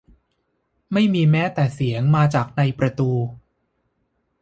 ไม่มีแม้แต่เสียงมาจากในประตู